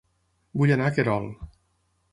Vull anar a Querol